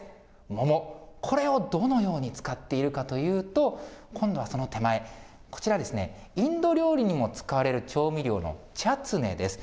桃、これをどのように使っているかというと、今度はその手前、こちらですね、インド料理にも使われる調味料のチャツネです。